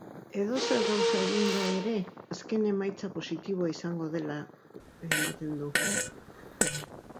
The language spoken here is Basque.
Edozer gauza eginda ere azken emaitza positiboa izango dela ematen du.